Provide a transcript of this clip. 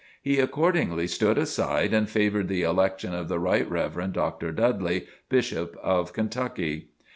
He accordingly stood aside and favored the election of the Rt. Rev. Dr. Dudley, Bishop of Kentucky.